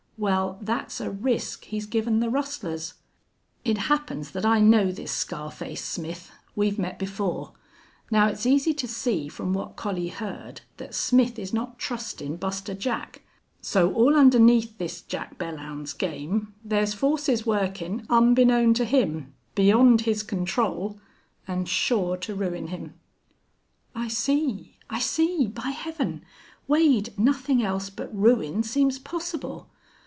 Well, that's a risk he's given the rustlers. It happens that I know this scar face Smith. We've met before. Now it's easy to see from what Collie heard that Smith is not trustin' Buster Jack. So, all underneath this Jack Belllounds's game, there's forces workin' unbeknown to him, beyond his control, an' sure to ruin him." "I see. I see. By Heaven! Wade, nothing else but ruin seems possible!...